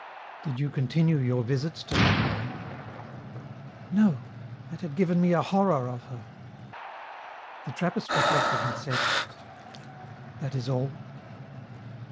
* Did you continue your visits to that woman ?"" No ; that had given me a horror of her." The Trappist reflected and said, " That is all